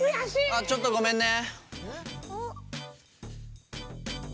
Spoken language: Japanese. あちょっとごめんね。